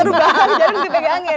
terbang jadi dipegangin